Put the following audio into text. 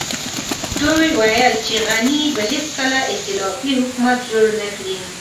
دوی ويل چې غني به هېڅکله ائتلافي حکومت جوړ نه کړي.